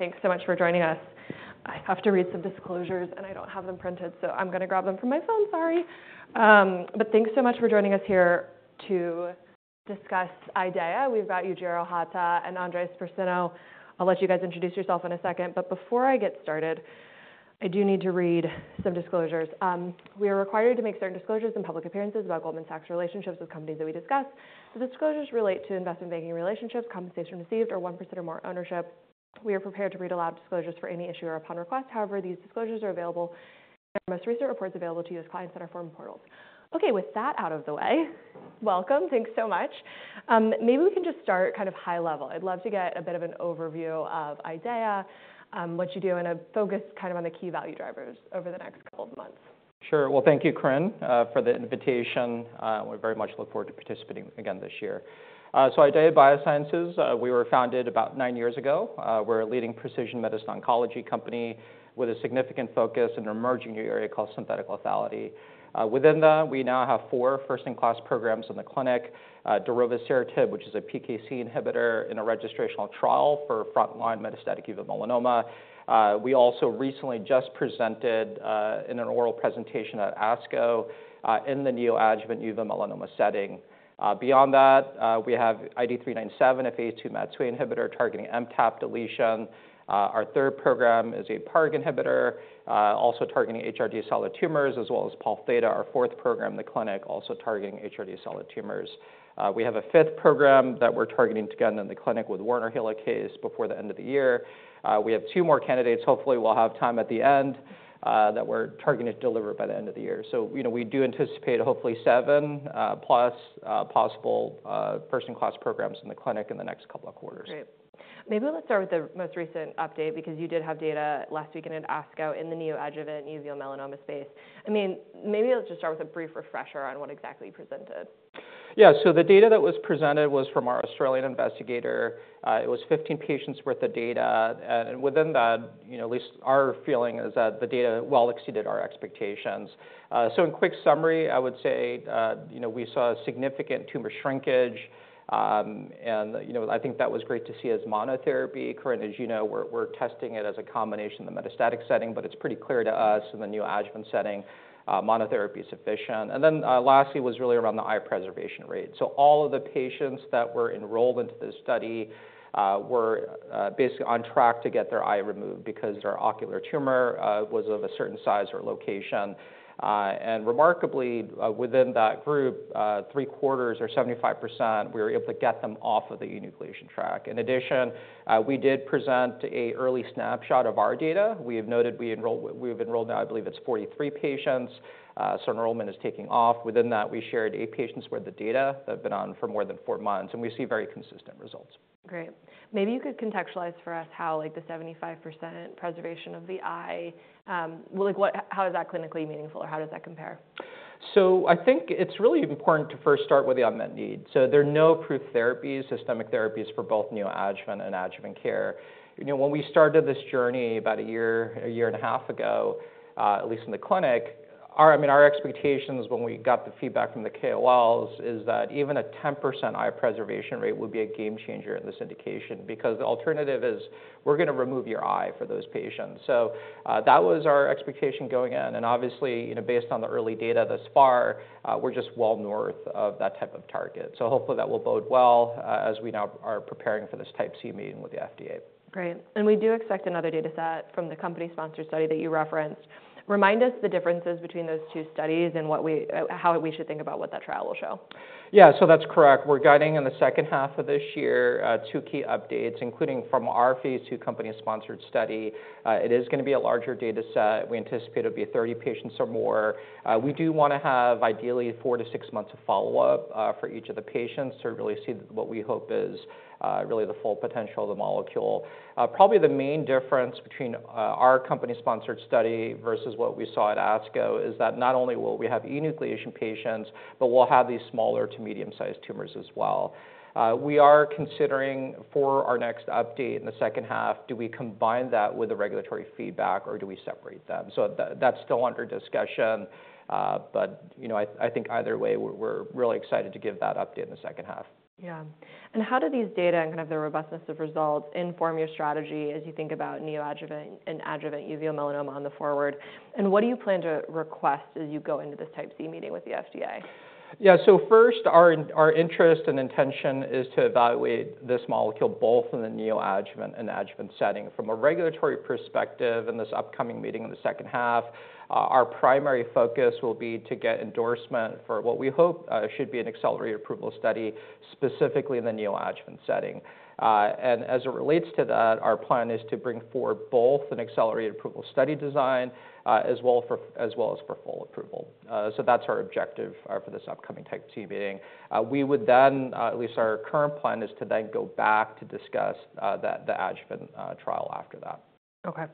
Thanks so much for joining us. I have to read some disclosures, and I don't have them printed, so I'm going to grab them from my phone. Sorry. Thanks so much for joining us here to discuss IDEAYA. We've got Yujiro Hata and Andres Briseno. I'll let you guys introduce yourself in a second, but before I get started, I do need to read some disclosures. We are required to make certain disclosures and public appearances about Goldman Sachs' relationships with companies that we discuss. The disclosures relate to investment banking relationships, compensation received, or 1% or more ownership. We are prepared to read aloud disclosures for any issuer upon request. However, these disclosures are available, and our most recent reports available to you as Client Center or firm portals. Okay, with that out of the way, welcome. Thanks so much. Maybe we can just start kind of high level. I'd love to get a bit of an overview of IDEAYA, what you do, and focus kind of on the key value drivers over the next couple of months. Sure. Well, thank you, Corinne, for the invitation. We very much look forward to participating again this year. So IDEAYA Biosciences, we were founded about nine years ago. We're a leading precision medicine oncology company with a significant focus in an emerging area called synthetic lethality. Within that, we now have four first-in-class programs in the clinic, darovasertib, which is a PKC inhibitor in a registrational trial for frontline metastatic uveal melanoma. We also recently just presented in an oral presentation at ASCO in the neoadjuvant uveal melanoma setting. Beyond that, we have IDE397, a phase II MAT2A inhibitor targeting MTAP deletion. Our third program is a PARP inhibitor also targeting HRD solid tumors, as well as Pol Theta, our fourth program in the clinic, also targeting HRD solid tumors. We have a fifth program that we're targeting to get into the clinic with Werner helicase before the end of the year. We have two more candidates. Hopefully, we'll have time at the end that we're targeting to deliver by the end of the year. So, you know, we do anticipate hopefully 7+, possible, first-in-class programs in the clinic in the next couple of quarters. Great. Maybe let's start with the most recent update, because you did have data last week in an ASCO in the neoadjuvant uveal melanoma space. I mean, maybe let's just start with a brief refresher on what exactly you presented. So the data that was presented was from our Australian investigator. It was 15 patients worth of data, and within that, you know, at least our feeling is that the data well exceeded our expectations. So in quick summary, I would say, you know, we saw a significant tumor shrinkage, and, you know, I think that was great to see as monotherapy. Corinne, as you know, we're testing it as a combination in the metastatic setting, but it's pretty clear to us in the neoadjuvant setting, monotherapy is sufficient. And then, lastly, was really around the eye preservation rate. So all of the patients that were enrolled into this study were basically on track to get their eye removed because their ocular tumor was of a certain size or location. And remarkably, within that group, three-quarters or 75%, we were able to get them off of the enucleation track. In addition, we did present an early snapshot of our data. We've enrolled now, I believe it's 43 patients. So enrollment is taking off. Within that, we shared 8 patients worth of data that have been on for more than 4 months, and we see very consistent results. Great. Maybe you could contextualize for us how, like, the 75% preservation of the eye, how is that clinically meaningful, or how does that compare? So I think it's really important to first start with the unmet need. So there are no approved therapies, systemic therapies, for both neoadjuvant and adjuvant care. You know, when we started this journey about a year, a year and a half ago, at least in the clinic, I mean, our expectations when we got the feedback from the KOLs is that even a 10% eye preservation rate would be a game changer in this indication, because the alternative is we're going to remove your eye for those patients. So, that was our expectation going in, and obviously, you know, based on the early data thus far, we're just well north of that type of target. So hopefully that will bode well, as we now are preparing for this Type C meeting with the FDA. Great. And we do expect another data set from the company-sponsored study that you referenced. Remind us the differences between those two studies and what we, how we should think about what that trial will show? Yeah, so that's correct. We're guiding in the second half of this year, two key updates, including from our phase II company-sponsored study. It is going to be a larger data set. We anticipate it'll be 30 patients or more. We do want to have ideally 4-6 months of follow-up, for each of the patients to really see what we hope is, really the full potential of the molecule. Probably the main difference between, our company-sponsored study versus what we saw at ASCO is that not only will we have enucleation patients, but we'll have these smaller to medium-sized tumors as well. We are considering for our next update in the second half, do we combine that with the regulatory feedback, or do we separate them? So that's still under discussion. But, you know, I think either way, we're really excited to give that update in the second half. Yeah. And how do these data and kind of the robustness of results inform your strategy as you think about neoadjuvant and adjuvant uveal melanoma on the forward? And what do you plan to request as you go into this Type C meeting with the FDA? Yeah. So first, our interest and intention is to evaluate this molecule both in the neoadjuvant and adjuvant setting. From a regulatory perspective, in this upcoming meeting in the second half, our primary focus will be to get endorsement for what we hope should be an accelerated approval study, specifically in the neoadjuvant setting. And as it relates to that, our plan is to bring forward both an accelerated approval study design, as well as for full approval. So that's our objective for this upcoming Type C meeting. We would then, at least our current plan, is to then go back to discuss the adjuvant trial after that. Okay.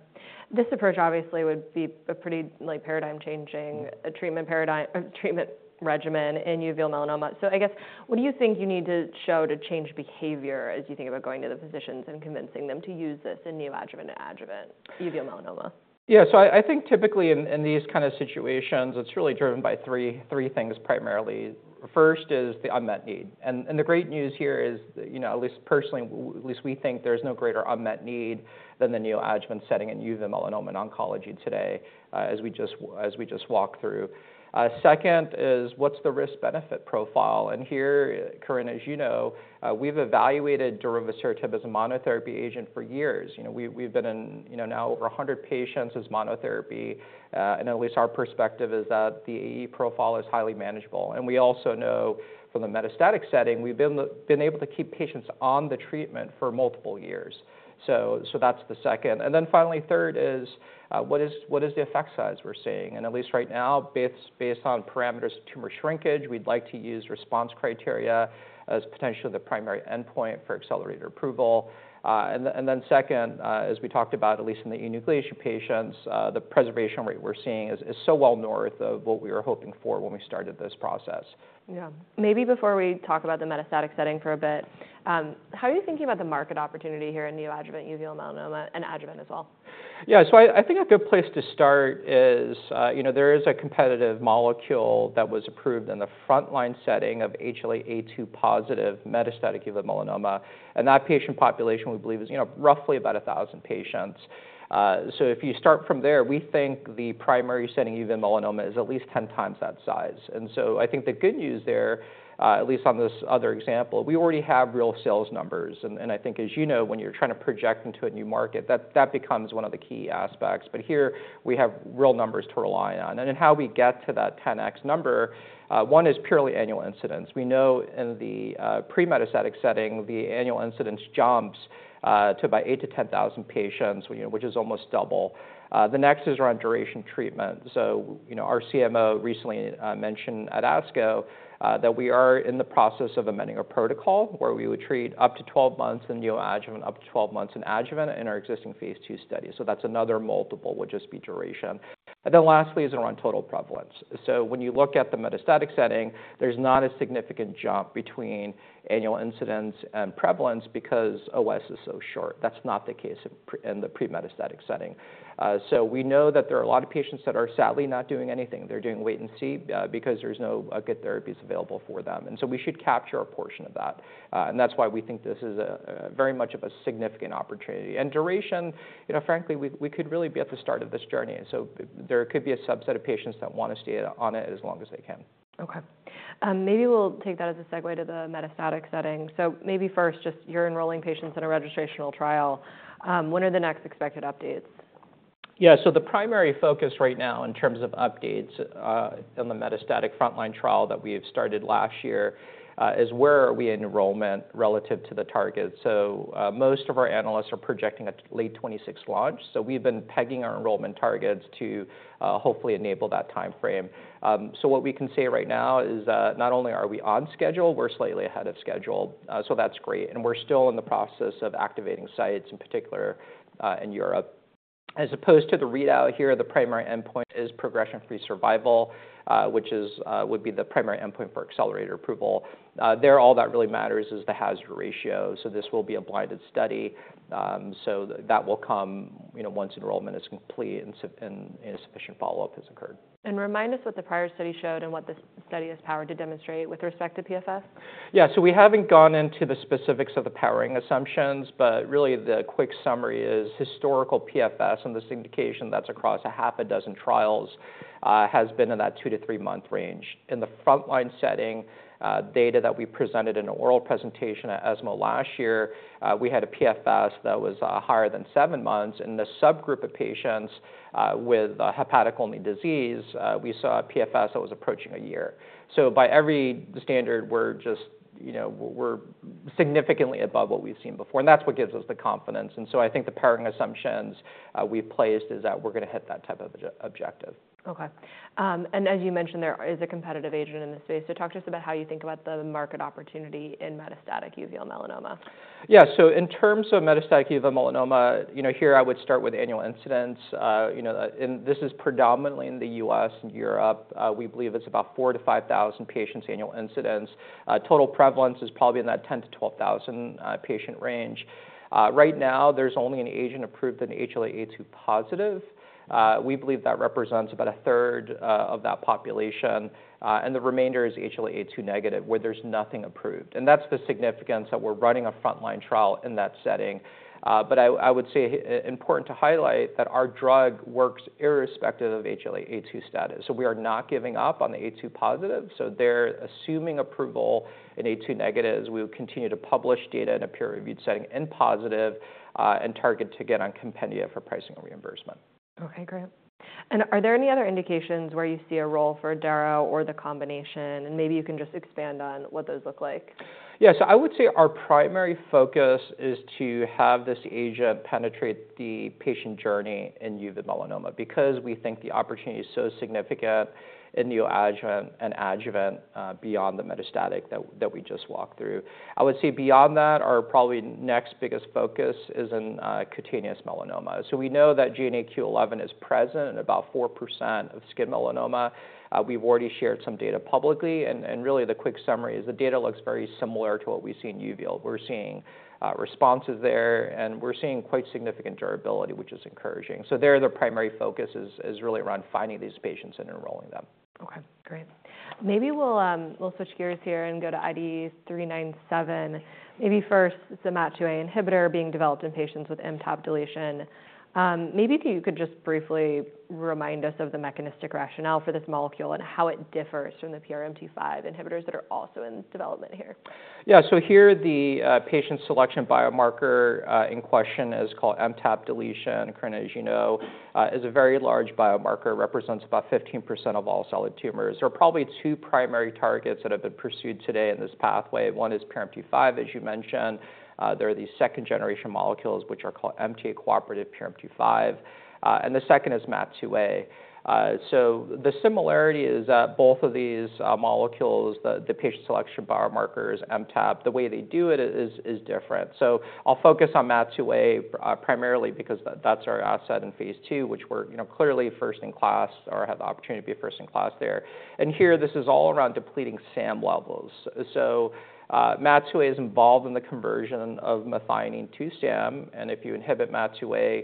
This approach obviously would be a pretty, like, paradigm-changing- Mm. A treatment paradigm, treatment regimen in uveal melanoma. So I guess, what do you think you need to show to change behavior as you think about going to the physicians and convincing them to use this in neoadjuvant and adjuvant uveal melanoma? Yeah, so I think typically in these kind of situations, it's really driven by three things primarily. First is the unmet need, and the great news here is, you know, at least personally, at least we think there's no greater unmet need than the neoadjuvant setting in uveal melanoma and oncology today, as we just walked through. Second is, what's the risk-benefit profile? And here, Corinne, as you know, we've evaluated darovasertib as a monotherapy agent for years. You know, we've been in, you know, now over 100 patients as monotherapy, and at least our perspective is that the AE profile is highly manageable. And we also know from the metastatic setting, we've been able to keep patients on the treatment for multiple years. So that's the second. And then finally, third is, what is the effect size we're seeing? And at least right now, based on parameters of tumor shrinkage, we'd like to use response criteria as potentially the primary endpoint for accelerated approval. And then second, as we talked about, at least in the enucleation patients, the preservation rate we're seeing is so well north of what we were hoping for when we started this process. Yeah. Maybe before we talk about the metastatic setting for a bit, how are you thinking about the market opportunity here in neoadjuvant uveal melanoma and adjuvant as well? Yeah, so I, I think a good place to start is, you know, there is a competitive molecule that was approved in the frontline setting of HLA-A2 positive metastatic uveal melanoma, and that patient population, we believe, is, you know, roughly about 1,000 patients. So if you start from there, we think the primary setting uveal melanoma is at least 10 times that size. And so I think the good news there, at least on this other example, we already have real sales numbers, and I think, as you know, when you're trying to project into a new market, that becomes one of the key aspects. But here, we have real numbers to rely on. And then how we get to that 10X number, one is purely annual incidence. We know in the pre-metastatic setting, the annual incidence jumps to about 8-10 thousand patients, you know, which is almost double. The next is around duration treatment. So, you know, our CMO recently mentioned at ASCO that we are in the process of amending a protocol where we would treat up to 12 months in neoadjuvant, up to 12 months in adjuvant in our existing phase II study. So that's another multiple, would just be duration. And then lastly is around total prevalence. So when you look at the metastatic setting, there's not a significant jump between annual incidence and prevalence because OS is so short. That's not the case in the pre-metastatic setting. So we know that there are a lot of patients that are sadly not doing anything. They're doing wait and see, because there's no good therapies available for them, and so we should capture a portion of that, and that's why we think this is a, a very much of a significant opportunity. And duration, you know, frankly, we, we could really be at the start of this journey, and so there could be a subset of patients that want to stay on it as long as they can. Okay. Maybe we'll take that as a segue to the metastatic setting. So maybe first, just you're enrolling patients in a registrational trial. When are the next expected updates? Yeah, so the primary focus right now, in terms of updates, on the metastatic frontline trial that we have started last year, is where are we in enrollment relative to the target? So, most of our analysts are projecting a late 2026 launch, so we've been pegging our enrollment targets to, hopefully enable that timeframe. So what we can say right now is that not only are we on schedule, we're slightly ahead of schedule. So that's great, and we're still in the process of activating sites, in particular, in Europe. As opposed to the readout here, the primary endpoint is progression-free survival, which is, would be the primary endpoint for accelerated approval. There, all that really matters is the hazard ratio, so this will be a blinded study. That will come, you know, once enrollment is complete and sufficient follow-up has occurred. Remind us what the prior study showed and what this study is powered to demonstrate with respect to PFS? Yeah, so we haven't gone into the specifics of the powering assumptions, but really the quick summary is historical PFS, and this indication that's across half a dozen trials has been in that two to three-month range. In the frontline setting, data that we presented in an oral presentation at ESMO last year, we had a PFS that was higher than seven months, and the subgroup of patients with hepatic-only disease, we saw a PFS that was approaching a year. So by every standard, we're just, you know, we're significantly above what we've seen before, and that's what gives us the confidence, and so I think the powering assumptions we've placed is that we're gonna hit that type of objective. Okay. And as you mentioned, there is a competitive agent in this space, so talk to us about how you think about the market opportunity in metastatic uveal melanoma? Yeah, so in terms of metastatic uveal melanoma, you know, here I would start with annual incidence. You know, and this is predominantly in the U.S. and Europe. We believe it's about 4-5 thousand patients annual incidence. Total prevalence is probably in that 10-12 thousand patient range. Right now, there's only an agent approved in HLA-A2 positive. We believe that represents about a third of that population, and the remainder is HLA-A2 negative, where there's nothing approved, and that's the significance that we're running a frontline trial in that setting. But I would say important to highlight that our drug works irrespective of HLA-A2 status, so we are not giving up on the A2 positive. So there, assuming approval in HLA-A2 negative, we would continue to publish data in a peer-reviewed setting in positive, and target to get on compendia for pricing and reimbursement. Okay, great. Are there any other indications where you see a role for darovasertib or the combination? Maybe you can just expand on what those look like. Yeah, so I would say our primary focus is to have this agent penetrate the patient journey in uveal melanoma because we think the opportunity is so significant in neoadjuvant and adjuvant, beyond the metastatic that, that we just walked through. I would say beyond that, our probably next biggest focus is in, cutaneous melanoma. So we know that GNAQ/11 is present in about 4% of skin melanoma. We've already shared some data publicly, and, and really, the quick summary is the data looks very similar to what we see in uveal. We're seeing, responses there, and we're seeing quite significant durability, which is encouraging. So there, the primary focus is, really around finding these patients and enrolling them. Okay, great. Maybe we'll switch gears here and go to IDE397. Maybe first, it's a MAT2A inhibitor being developed in patients with MTAP deletion. Maybe if you could just briefly remind us of the mechanistic rationale for this molecule and how it differs from the PRMT5 inhibitors that are also in development here. Yeah, so here, the patient selection biomarker in question is called MTAP deletion. Corinne, as you know, is a very large biomarker, represents about 15% of all solid tumors. There are probably two primary targets that have been pursued today in this pathway. One is PRMT5, as you mentioned. There are these second-generation molecules, which are called MTA-cooperative PRMT5, and the second is MAT2A. So the similarity is that both of these molecules, the patient selection biomarkers, MTAP, the way they do it is different. So I'll focus on MAT2A primarily because that's our asset in phase II, which we're, you know, clearly first in class or have the opportunity to be first in class there. And here, this is all around depleting SAM levels. So, MAT2A is involved in the conversion of methionine to SAM, and if you inhibit MAT2A,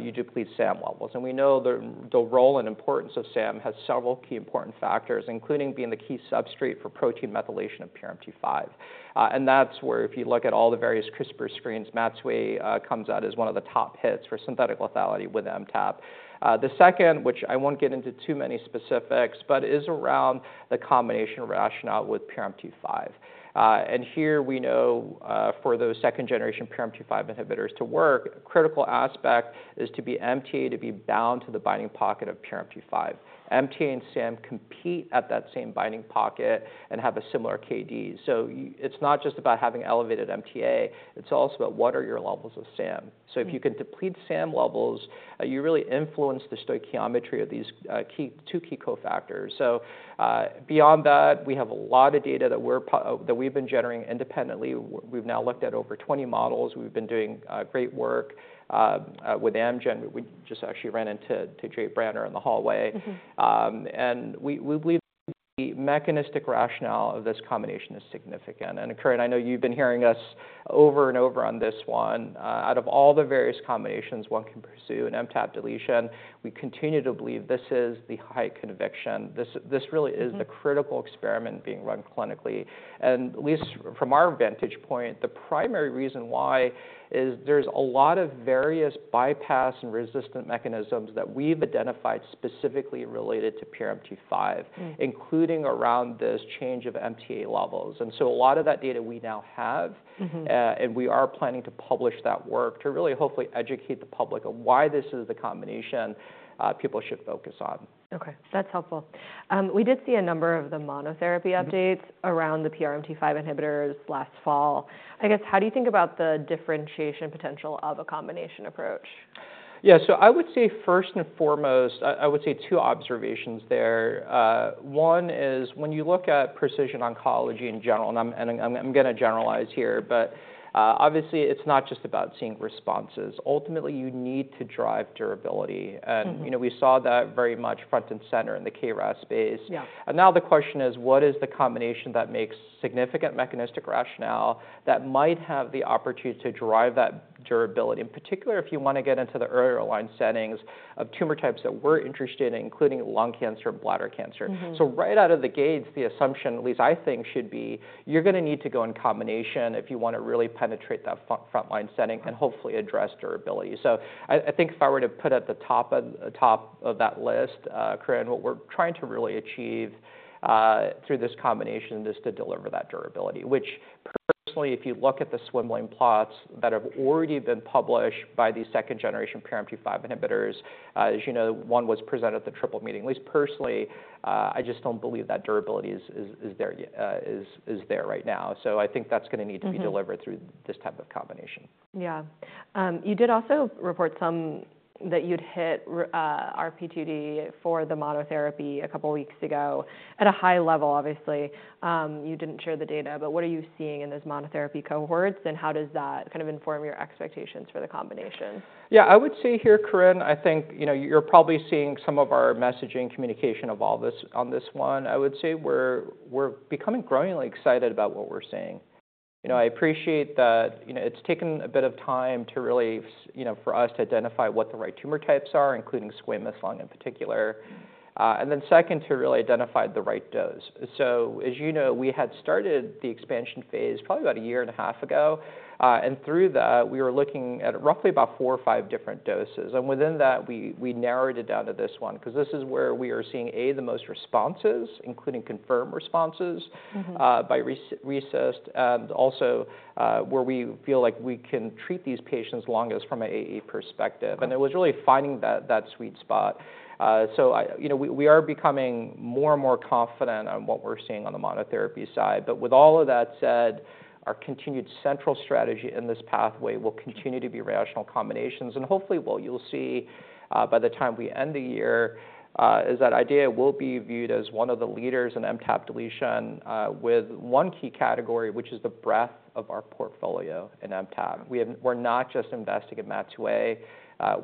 you deplete SAM levels. And we know the role and importance of SAM has several key important factors, including being the key substrate for protein methylation of PRMT5. And that's where if you look at all the various CRISPR screens, MAT2A comes out as one of the top hits for synthetic lethality with MTAP. The second, which I won't get into too many specifics, but is around the combination rationale with PRMT5. And here we know, for those second-generation PRMT5 inhibitors to work, a critical aspect is to be MTA, to be bound to the binding pocket of PRMT5. MTA and SAM compete at that same binding pocket and have a similar KD. So it's not just about having elevated MTA, it's also about what are your levels of SAM. Mm-hmm. So if you can deplete SAM levels, you really influence the stoichiometry of these two key cofactors. So, beyond that, we have a lot of data that we've been generating independently. We've now looked at over 20 models. We've been doing great work with Amgen. We just actually ran into Jay Bradner in the hallway. Mm-hmm. We believe the mechanistic rationale of this combination is significant. Corinne, I know you've been hearing us over and over on this one. Out of all the various combinations, one can pursue an MTAP deletion. We continue to believe this is the high conviction. This really is- Mm-hmm... the critical experiment being run clinically. At least from our vantage point, the primary reason why is there's a lot of various bypass and resistant mechanisms that we've identified specifically related to PRMT5- Mm including around this change of MTA levels. And so a lot of that data we now have. Mm-hmm. We are planning to publish that work to really hopefully educate the public on why this is the combination people should focus on. Okay, that's helpful. We did see a number of the monotherapy updates- Mm around the PRMT5 inhibitors last fall. I guess, how do you think about the differentiation potential of a combination approach? Yeah, so I would say, first and foremost, I would say two observations there. One is when you look at precision oncology in general, and I'm gonna generalize here, but obviously, it's not just about seeing responses. Ultimately, you need to drive durability- Mm-hmm... and, you know, we saw that very much front and center in the KRAS space. Yeah. Now the question is: What is the combination that makes significant mechanistic rationale that might have the opportunity to drive that durability? In particular, if you want to get into the earlier line settings of tumor types that we're interested in, including lung cancer and bladder cancer. Mm-hmm. Right out of the gates, the assumption, at least I think, should be, you're gonna need to go in combination if you want to really penetrate that frontline setting- Right... and hopefully address durability. So I think if I were to put at the top of that list, Corinne, what we're trying to really achieve through this combination is to deliver that durability, which - if you look at the swim lane plots that have already been published by the second-generation PARP inhibitors, as you know, one was presented at the Triple Meeting. At least personally, I just don't believe that durability is there yet, is there right now. So I think that's gonna need - Mm-hmm. to be delivered through this type of combination. Yeah. You did also report some that you'd hit RP2D for the monotherapy a couple of weeks ago. At a high level, obviously, you didn't share the data, but what are you seeing in those monotherapy cohorts, and how does that kind of inform your expectations for the combinations? Yeah, I would say here, Corinne, I think, you know, you're probably seeing some of our messaging communication of all this on this one. I would say we're becoming growingly excited about what we're seeing. You know, I appreciate that, you know, it's taken a bit of time to really you know, for us to identify what the right tumor types are, including squamous lung in particular, and then second, to really identify the right dose. So as you know, we had started the expansion phase probably about a year and a half ago, and through that, we were looking at roughly about four or five different doses. And within that, we narrowed it down to this one, 'cause this is where we are seeing, A, the most responses, including confirmed responses- Mm-hmm... by RECIST, and also, where we feel like we can treat these patients longest from an AE perspective. Mm-hmm. It was really finding that, that sweet spot. You know, we are becoming more and more confident on what we're seeing on the monotherapy side. But with all of that said, our continued central strategy in this pathway will continue to be rational combinations. And hopefully, what you'll see, by the time we end the year, is that IDEAYA will be viewed as one of the leaders in MTAP deletion, with one key category, which is the breadth of our portfolio in MTAP. We have- we're not just investing in MAT2A,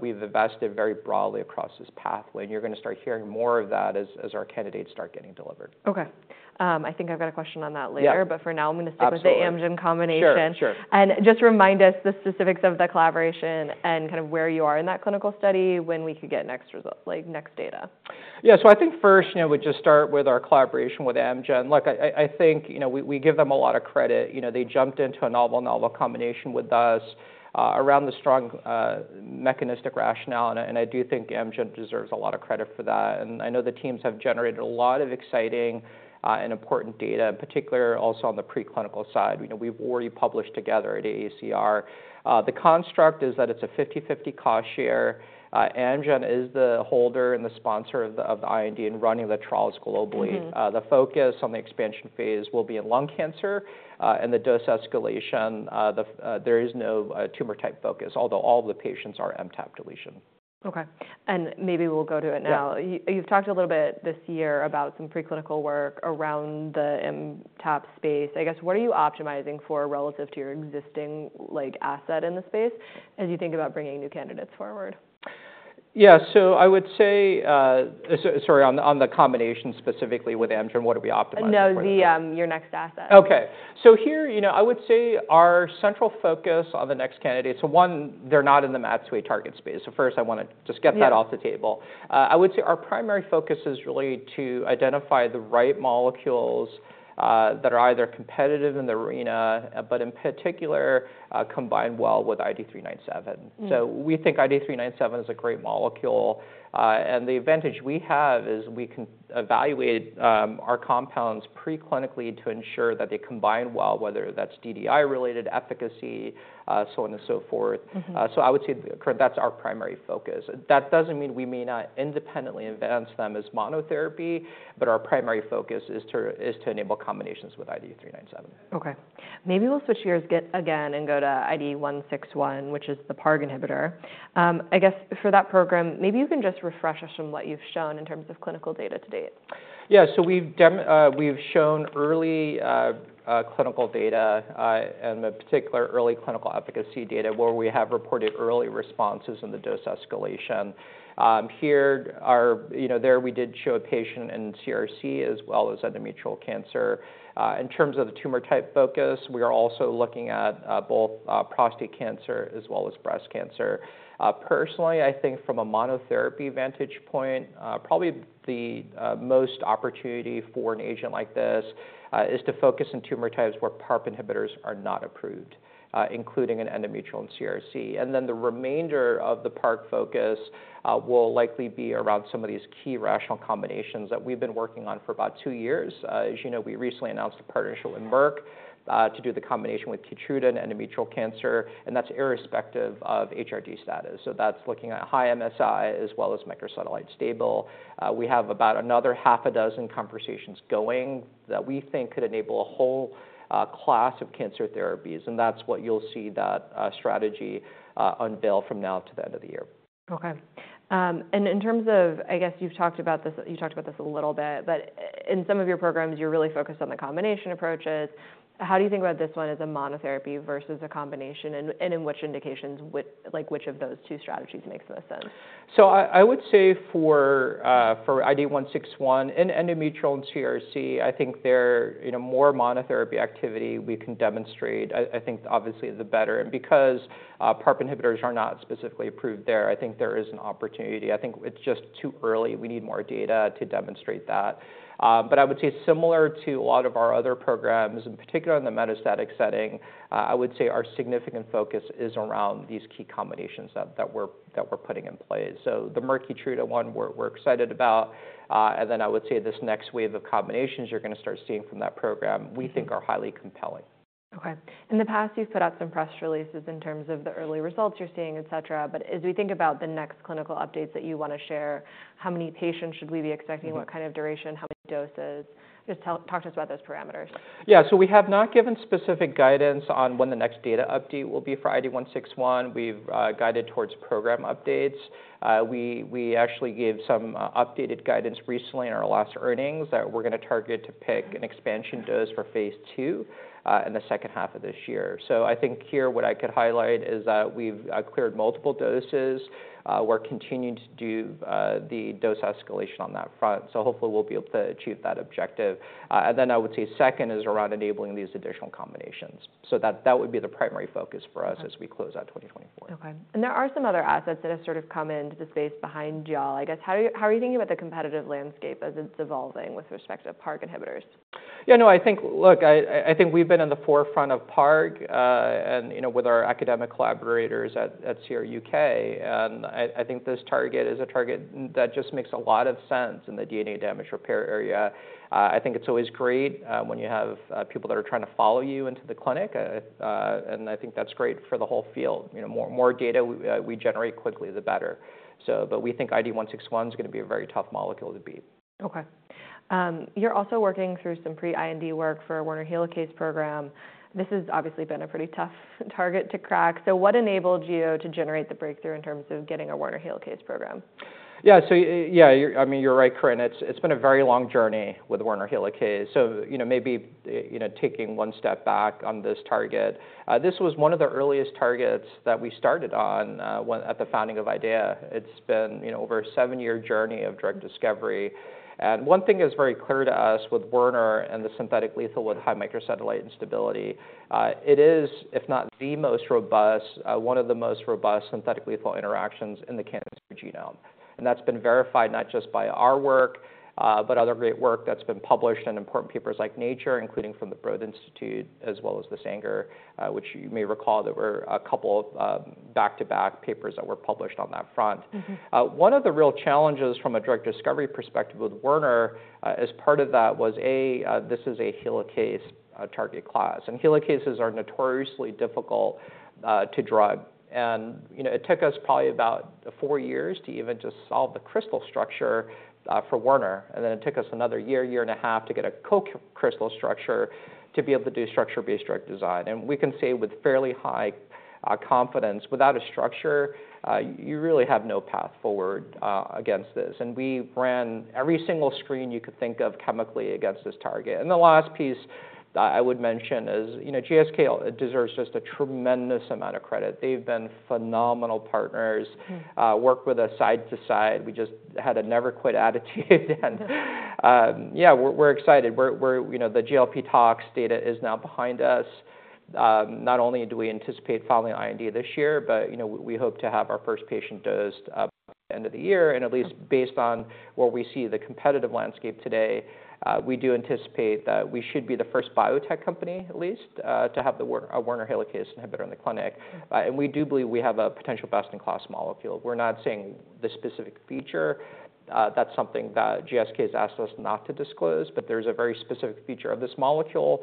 we've invested very broadly across this pathway, and you're gonna start hearing more of that as our candidates start getting delivered. Okay. I think I've got a question on that later- Yeah... but for now, I'm gonna stick- Absolutely -with the Amgen combination. Sure, sure. Just remind us the specifics of the collaboration and kind of where you are in that clinical study, when we could get next results, like, next data? Yeah. So I think first, you know, we just start with our collaboration with Amgen. Look, I think, you know, we give them a lot of credit. You know, they jumped into a novel, novel combination with us around the strong mechanistic rationale, and I do think Amgen deserves a lot of credit for that. And I know the teams have generated a lot of exciting and important data, in particular, also on the preclinical side. You know, we've already published together at AACR. The construct is that it's a 50/50 cost share. Amgen is the holder and the sponsor of the IND and running the trials globally. Mm-hmm. The focus on the expansion phase will be in lung cancer, and the dose escalation, there is no tumor type focus, although all the patients are MTAP deletion. Okay, and maybe we'll go to it now. Yeah. You've talked a little bit this year about some preclinical work around the MTAP space. I guess, what are you optimizing for relative to your existing, like, asset in the space as you think about bringing new candidates forward? Yeah. So I would say, on the, on the combination specifically with Amgen, what are we optimizing for? No, the, your next asset. Okay. So here, you know, I would say our central focus on the next candidate, so one, they're not in the MAT2A target space. So first, I wanna just get that- Yeah... off the table. I would say our primary focus is really to identify the right molecules that are either competitive in the arena, but in particular, combine well with IDE397. Mm. We think IDE397 is a great molecule, and the advantage we have is we can evaluate our compounds preclinically to ensure that they combine well, whether that's DDI-related efficacy, so on and so forth. Mm-hmm. So I would say, Corinne, that's our primary focus. That doesn't mean we may not independently advance them as monotherapy, but our primary focus is to enable combinations with IDE397. Okay. Maybe we'll switch gears get again and go to IDE161, which is the PARP inhibitor. I guess for that program, maybe you can just refresh us on what you've shown in terms of clinical data to date. Yeah, so we've shown early clinical data, and the particular early clinical efficacy data, where we have reported early responses in the dose escalation. Here. You know, there, we did show a patient in CRC as well as endometrial cancer. In terms of the tumor type focus, we are also looking at both prostate cancer as well as breast cancer. Personally, I think from a monotherapy vantage point, probably the most opportunity for an agent like this is to focus on tumor types where PARP inhibitors are not approved, including in endometrial and CRC. And then the remainder of the PARP focus will likely be around some of these key rational combinations that we've been working on for about two years. As you know, we recently announced a partnership with Merck to do the combination with Keytruda and endometrial cancer, and that's irrespective of HRD status. So that's looking at high MSI as well as microsatellite stable. We have about another half a dozen conversations going that we think could enable a whole class of cancer therapies, and that's what you'll see that strategy unveil from now to the end of the year. Okay. And in terms of... I guess you've talked about this, you talked about this a little bit, but in some of your programs, you're really focused on the combination approaches. How do you think about this one as a monotherapy versus a combination, and, and in which indications like, which of those two strategies makes the most sense? So I would say for IDE161, in endometrial and CRC, I think they're, you know, more monotherapy activity we can demonstrate, I think obviously, the better. And because PARP inhibitors are not specifically approved there, I think there is an opportunity. I think it's just too early. We need more data to demonstrate that. But I would say similar to a lot of our other programs, in particular in the metastatic setting, I would say our significant focus is around these key combinations that we're putting in place. So the Merck Keytruda one, we're excited about, and then I would say this next wave of combinations you're gonna start seeing from that program- Mm-hmm... we think are highly compelling. ... Okay. In the past, you've put out some press releases in terms of the early results you're seeing, et cetera, but as we think about the next clinical updates that you wanna share, how many patients should we be expecting? Mm-hmm. What kind of duration? How many doses? Just talk to us about those parameters. Yeah, so we have not given specific guidance on when the next data update will be for IDE161. We've guided towards program updates. We actually gave some updated guidance recently in our last earnings, that we're gonna target to pick an expansion dose for phase II in the second half of this year. So I think here, what I could highlight is that we've cleared multiple doses. We're continuing to do the dose escalation on that front, so hopefully we'll be able to achieve that objective. And then I would say second is around enabling these additional combinations. So that would be the primary focus for us- Okay as we close out 2024. Okay. There are some other assets that have sort of come into the space behind y'all. I guess, how are you thinking about the competitive landscape as it's evolving with respect to PARP inhibitors? Yeah, no, I think. Look, I think we've been on the forefront of PARP, and, you know, with our academic collaborators at CRUK. And I think this target is a target that just makes a lot of sense in the DNA damage repair area. I think it's always great when you have people that are trying to follow you into the clinic. And I think that's great for the whole field. You know, more data we generate quickly, the better. So but we think IDE161 is gonna be a very tough molecule to beat. Okay. You're also working through some pre-IND work for a Werner helicase program. This has obviously been a pretty tough target to crack. So what enabled you to generate the breakthrough in terms of getting a Werner helicase program? Yeah, so yeah, you're—I mean, you're right, Corinne. It's been a very long journey with Werner helicase, so you know, maybe you know, taking one step back on this target. This was one of the earliest targets that we started on at the founding of IDEAYA. It's been, you know, over a seven-year journey of drug discovery, and one thing is very clear to us with Werner and the synthetic lethal with high microsatellite instability. It is, if not the most robust, one of the most robust synthetic lethal interactions in the cancer genome, and that's been verified not just by our work, but other great work that's been published in important papers like Nature, including from the Broad Institute, as well as the Sanger, which you may recall there were a couple of, back-to-back papers that were published on that front. Mm-hmm. One of the real challenges from a drug discovery perspective with Werner, as part of that, was A, this is a helicase target class, and helicases are notoriously difficult to drug. And, you know, it took us probably about four years to even just solve the crystal structure for Werner, and then it took us another year, year and a half, to get a co-crystal structure to be able to do structure-based drug design. And we can say with fairly high confidence, without a structure, you really have no path forward against this. And we ran every single screen you could think of chemically against this target. And the last piece that I would mention is, you know, GSK deserves just a tremendous amount of credit. They've been phenomenal partners. Mm. worked with us side to side. We just had a never-quit attitude, and- Yeah. Yeah, we're excited. You know, the GLP tox data is now behind us. Not only do we anticipate filing IND this year, but, you know, we hope to have our first patient dosed by the end of the year. Mm. And at least based on where we see the competitive landscape today, we do anticipate that we should be the first biotech company, at least, to have the Werner helicase inhibitor in the clinic. Mm. and we do believe we have a potential best-in-class molecule. We're not saying the specific feature, that's something that GSK has asked us not to disclose, but there's a very specific feature of this molecule,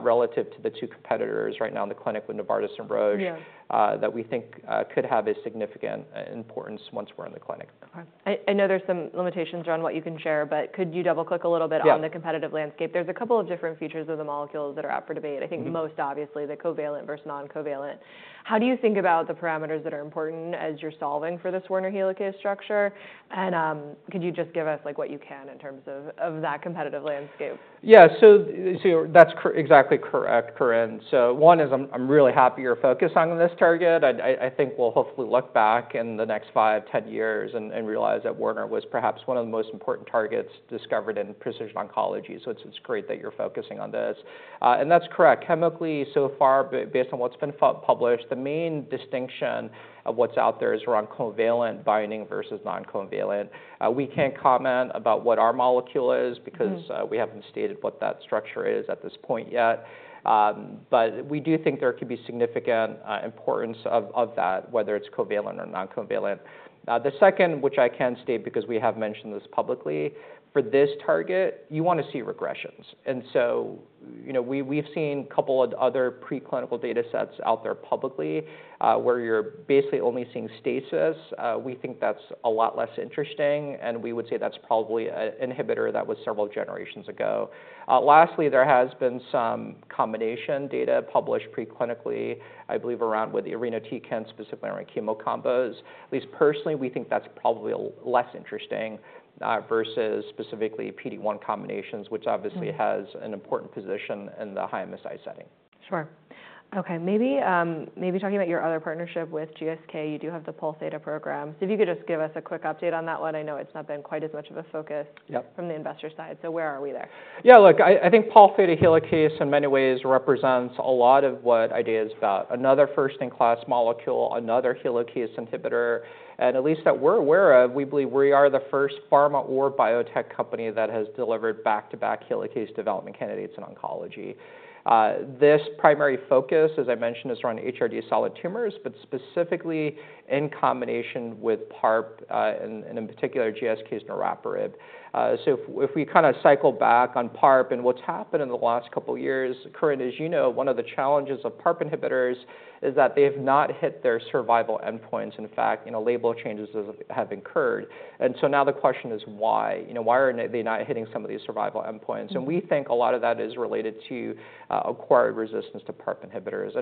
relative to the two competitors right now in the clinic with Novartis and Roche- Yeah ... that we think could have a significant importance once we're in the clinic. Of course. I know there's some limitations around what you can share, but could you double-click a little bit- Yeah On the competitive landscape? There's a couple of different features of the molecules that are up for debate. Mm-hmm. I think most obviously, the covalent versus non-covalent. How do you think about the parameters that are important as you're solving for this Werner helicase structure? And, could you just give us, like, what you can in terms of that competitive landscape? Yeah. So that's exactly correct, Corinne. So one is I'm really happy you're focused on this target. I think we'll hopefully look back in the next 5-10 years and realize that Werner was perhaps one of the most important targets discovered in precision oncology. So it's great that you're focusing on this. And that's correct. Chemically, so far, based on what's been published, the main distinction of what's out there is around covalent binding versus non-covalent. We can't comment about what our molecule is- Mm... because, we haven't stated what that structure is at this point yet. But we do think there could be significant importance of that, whether it's covalent or non-covalent. The second, which I can state because we have mentioned this publicly, for this target, you wanna see regressions. And so, you know, we've seen a couple of other preclinical data sets out there publicly, where you're basically only seeing stasis. We think that's a lot less interesting, and we would say that's probably an inhibitor that was several generations ago. Lastly, there has been some combination data published preclinically, I believe around with the irinotecan, specifically around chemo combos. At least personally, we think that's probably less interesting versus specifically PD-1 combinations- Mm... which obviously has an important position in the high MSI setting. Sure. Okay, maybe, maybe talking about your other partnership with GSK, you do have the Pol Theta program. So if you could just give us a quick update on that one. I know it's not been quite as much of a focus- Yep. From the investor side. So where are we there? Yeah, look, I think Pol Theta helicase in many ways represents a lot of what IDEAYA is about. Another first-in-class molecule, another helicase inhibitor, and at least that we're aware of, we believe we are the first pharma or biotech company that has delivered back-to-back helicase development candidates in oncology. This primary focus, as I mentioned, is around HRD solid tumors, but specifically in combination with PARP, and in particular, GSK's niraparib. So if we kinda cycle back on PARP and what's happened in the last couple of years, Corinne, as you know, one of the challenges of PARP inhibitors is that they have not hit their survival endpoints. In fact, you know, label changes has, have occurred. And so now the question is why? You know, why are they not hitting some of these survival endpoints? Mm. We think a lot of that is related to acquired resistance to PARP inhibitors.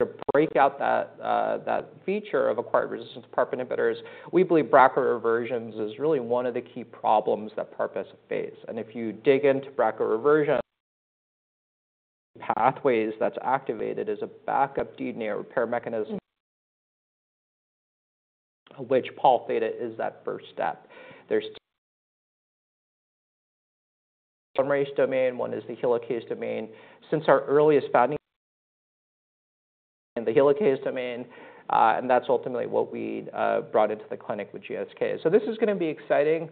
If to break out that feature of acquired resistance to PARP inhibitors, we believe BRCA reversions is really one of the key problems that PARP has to face. If you dig into BRCA reversion, pathways that's activated is a backup DNA repair mechanism. Mm... which Pol Theta is that first step. There's domain, one is the helicase domain. Since our earliest founding, and the helicase domain, and that's ultimately what we brought into the clinic with GSK. So this is gonna be exciting.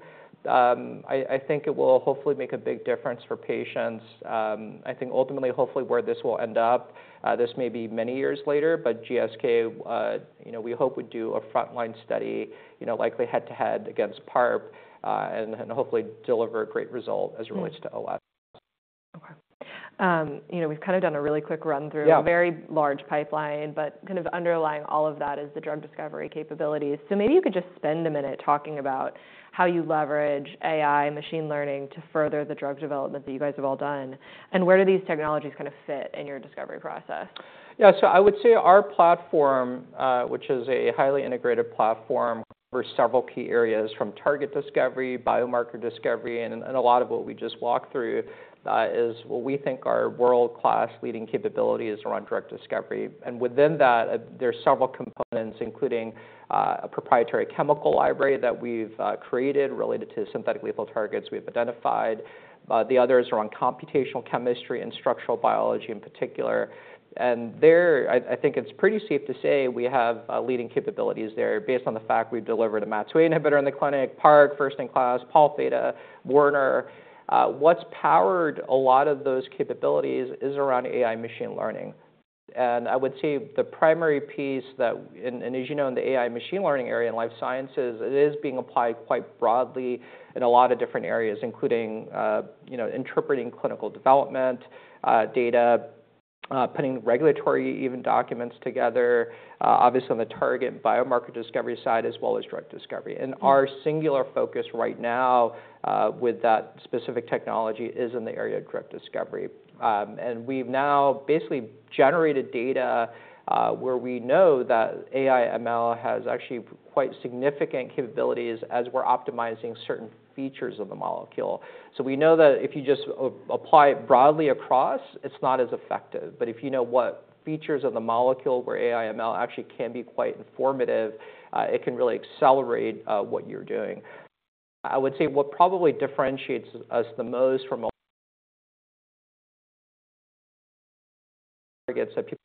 I think it will hopefully make a big difference for patients. I think ultimately, hopefully, where this will end up, this may be many years later, but GSK, you know, we hope would do a frontline study, you know, likely head-to-head against PARP, and hopefully deliver a great result as it relates- Mm... to OS. Okay. You know, we've kind of done a really quick run through- Yeah... a very large pipeline, but kind of underlying all of that is the drug discovery capabilities. So maybe you could just spend a minute talking about how you leverage AI and machine learning to further the drug development that you guys have all done, and where do these technologies kinda fit in your discovery process? Yeah, so I would say our platform, which is a highly integrated platform for several key areas, from target discovery, biomarker discovery, and a lot of what we just walked through, is what we think are world-class leading capabilities around drug discovery. And within that, there's several components, including a proprietary chemical library that we've created related to synthetic lethal targets we've identified. The others are on computational chemistry and structural biology in particular. And there, I think it's pretty safe to say we have leading capabilities there, based on the fact we've delivered a MAT2A inhibitor in the clinic, PARP, first in class, Pol Theta, Werner. What's powered a lot of those capabilities is around AI machine learning. And I would say the primary piece that... As you know, in the AI machine learning area, in life sciences, it is being applied quite broadly in a lot of different areas, including, you know, interpreting clinical development data, putting regulatory even documents together, obviously on the target biomarker discovery side, as well as drug discovery. Mm-hmm. Our singular focus right now with that specific technology is in the area of drug discovery. And we've now basically generated data where we know that AI ML has actually quite significant capabilities as we're optimizing certain features of the molecule. So we know that if you just apply it broadly across, it's not as effective, but if you know what features of the molecule where AI ML actually can be quite informative, it can really accelerate what you're doing. I would say what probably differentiates us the most from all... targets that people...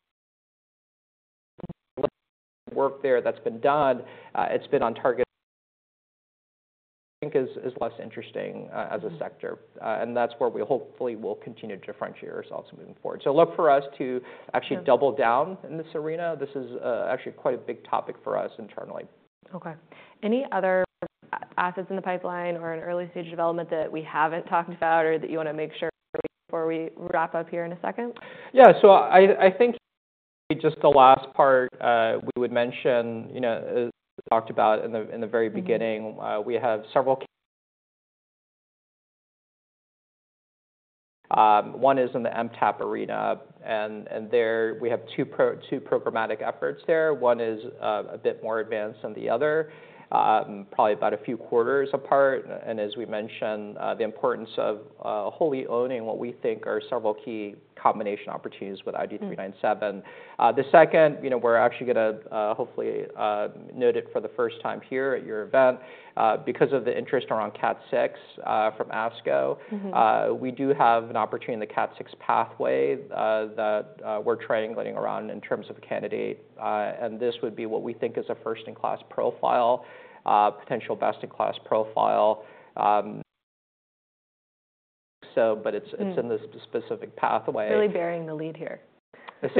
work there that's been done, it's been on target... think is, is less interesting as a sector. Mm. And that's where we hopefully will continue to differentiate ourselves moving forward. So look for us to actually double down- Yeah in this arena. This is, actually quite a big topic for us internally. Okay. Any other assets in the pipeline or in early stage development that we haven't talked about, or that you wanna make sure before we wrap up here in a second? Yeah. So I think just the last part, we would mention, you know, as we talked about in the very beginning- Mm... we have several. One is in the MTAP arena, and there we have two programmatic efforts there. One is a bit more advanced than the other, probably about a few quarters apart. And as we mentioned, the importance of wholly owning what we think are several key combination opportunities with IDE397. Mm. The second, you know, we're actually gonna hopefully note it for the first time here at your event, because of the interest around KAT6 from ASCO. Mm-hmm. We do have an opportunity in the KAT6 pathway that we're triangulating around in terms of a candidate. And this would be what we think is a first in class profile, potential best in class profile. So, but it's- Mm... it's in the specific pathway. Really burying the lead here. So,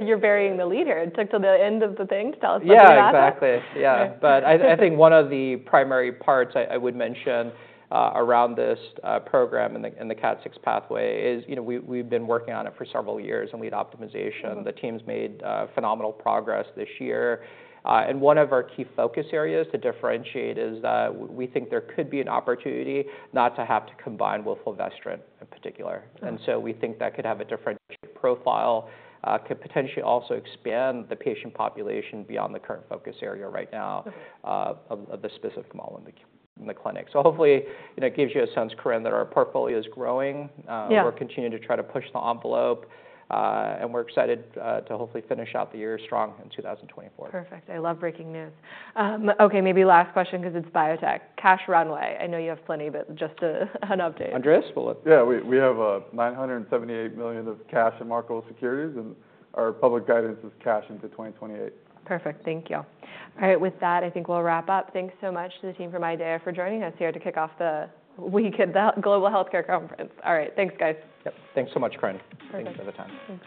You're burying the lead here. It took till the end of the thing to tell us what you got. Yeah, exactly. Yeah. But I think one of the primary parts I would mention around this program and the KAT6 pathway is, you know, we've been working on it for several years, and we had optimization. Mm-hmm. The team's made phenomenal progress this year. And one of our key focus areas to differentiate is that we think there could be an opportunity not to have to combine with fulvestrant in particular. Oh. And so we think that could have a different profile, could potentially also expand the patient population beyond the current focus area right now. Okay... of the specific model in the clinic. So hopefully, you know, it gives you a sense, Corinne, that our portfolio is growing. Yeah. We're continuing to try to push the envelope, and we're excited to hopefully finish out the year strong in 2024. Perfect. I love breaking news. Okay, maybe last question, 'cause it's biotech: cash runway. I know you have plenty, but just, an update. Andres? Well, yeah, we have $978 million of cash and marketable securities, and our public guidance is cash into 2028. Perfect. Thank you. All right, with that, I think we'll wrap up. Thanks so much to the team from IDEAYA for joining us here to kick off the week at the Goldman Sachs Global Healthcare Conference. All right, thanks, guys. Yep, thanks so much, Corinne. Perfect. Thanks for the time.